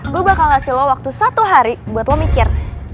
gue bakal ngasih lo waktu satu hari buat lo mikir